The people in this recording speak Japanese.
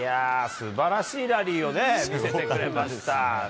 素晴らしいラリーを見せてくれました。